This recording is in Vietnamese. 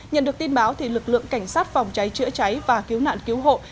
nhận được tin báo lực lượng cảnh sát phòng cháy chữa cháy và cứu nạn cứu hộ